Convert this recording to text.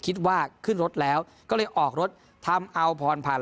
คิดว่าขึ้นรถแล้วก็เลยออกรถทำเอาพรพันธ